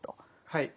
はい。